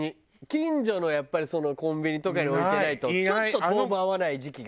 近所のやっぱりコンビニとかに置いてないとちょっと当分会わない時期が。